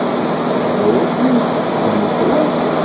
Yella wasmi ay tḥesbem itran?